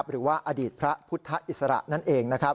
หรือว่าอดีตพระพุทธอิสระนั่นเอง